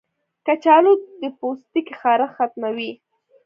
کچالو د پوستکي خارښ ختموي.